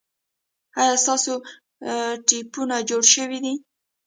ایا ستاسو ټپونه جوړ شوي دي؟